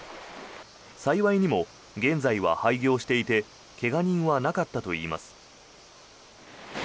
幸いにも現在は廃業していて怪我人はなかったといいます。